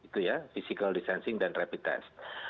physical distancing dan rapid test